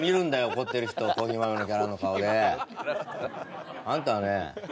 怒ってる人コーヒー豆のキャラの顔であんたはね